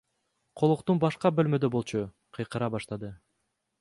Колуктум башка бөлмөдө болчу, кыйкыра баштады.